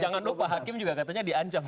jangan lupa hakim juga katanya diancam